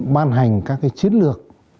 ban hành các cái chiến lược